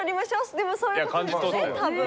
でもそういうことですよねたぶん。